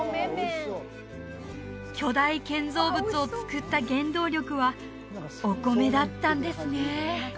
巨大建造物を造った原動力はお米だったんですね